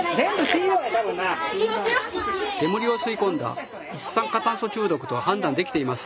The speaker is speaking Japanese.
煙を吸い込んだ一酸化炭素中毒と判断できています。